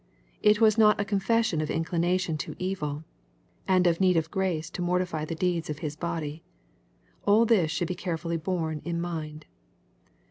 It was not a confession of inclination to evil, and of need of grace to mortify the deeds of His body. All this should be carefully borne in mind.